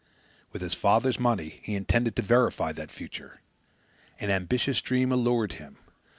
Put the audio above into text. With his father's money he intended to verify that future. An ambitious dream allured him.